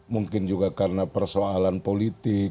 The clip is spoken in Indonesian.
mungkin juga karena persoalan politik